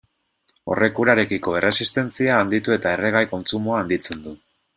Horrek urarekiko erresistentzia handitu eta erregai kontsumoa handitzen du.